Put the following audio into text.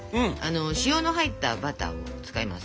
塩の入ったバターを使います。